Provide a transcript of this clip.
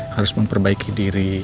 harus memperbaiki diri